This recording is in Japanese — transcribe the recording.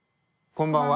こんばんは。